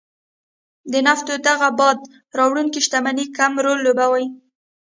د نفتو دغې باد راوړې شتمنۍ کم رول لوبولی.